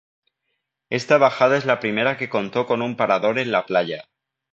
Esta bajada es la primera que contó con un parador en la playa.